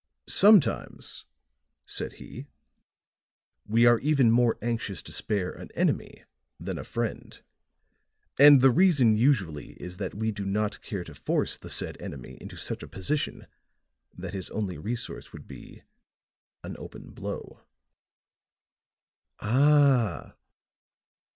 "Sometimes," said he, "we are even more anxious to spare an enemy than a friend. And the reason usually is that we do not care to force the said enemy into such a position that his only resource would be an open blow." "Ah!"